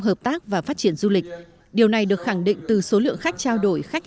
hợp tác và phát triển du lịch điều này được khẳng định từ số lượng khách trao đổi khách